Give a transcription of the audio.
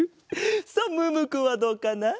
さあムームーくんはどうかな？